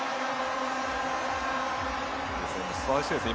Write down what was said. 素晴らしいですね。